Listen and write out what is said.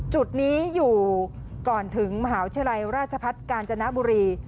จุดนี้อยู่ก่อนถึงมหาวิทยาลัยราชพัฒน์กาญจนบุรี